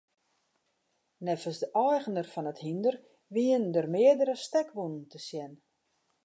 Neffens de eigener fan it hynder wiene der meardere stekwûnen te sjen.